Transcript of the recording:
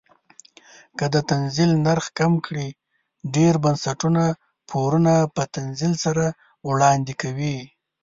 که د تنزیل نرخ کم کړي ډیر بنسټونه پورونه په تنزیل سره وړاندې کوي.